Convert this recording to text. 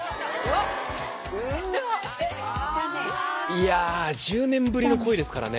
いや１０年ぶりの恋ですからね。